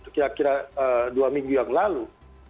kira kira dua minggu yang lalu